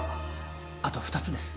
あと２つです。